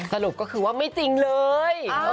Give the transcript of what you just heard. สรุปก็คือว่าไม่จริงเลย